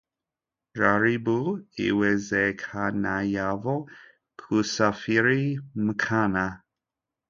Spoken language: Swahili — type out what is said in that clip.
Jaribu iwezekanavyo kusafiri mchana.